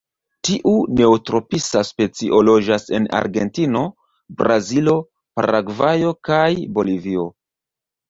Tiu neotropisa specio loĝas en Argentino, Brazilo, Paragvajo kaj Bolivio.